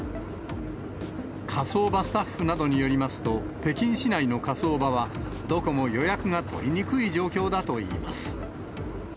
火葬場スタッフなどによりますと、北京市内の火葬場は、どこも予約が取りにくい状況だといいます。